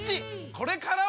これからは！